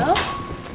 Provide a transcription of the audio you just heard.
kamu tahu asal